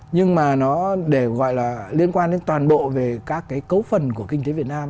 nhưng mà để gọi là liên quan đến toàn bộ về các cấu phần của kinh tế việt nam